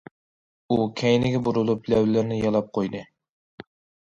ئۇ كەينىگە بۇرۇلۇپ، لەۋلىرىنى يالاپ قويدى.